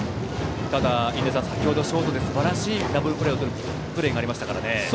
ただ、先程はショートですばらしいダブルプレーをとるプレーがありましたからね。